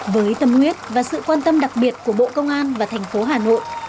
với tâm huyết và sự quan tâm đặc biệt của bộ công an và thành phố hà nội